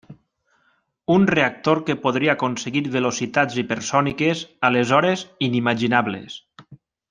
Un reactor que podria aconseguir velocitats hipersòniques, aleshores inimaginables.